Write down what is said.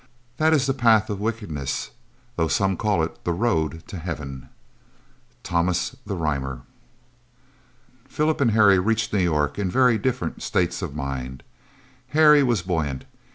That is the Path of Wickedness, Though some call it the road to Heaven." Thomas the Rhymer. Phillip and Harry reached New York in very different states of mind. Harry was buoyant.